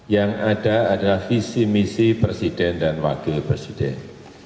yang ada adalah visi misi presiden dan wakil presiden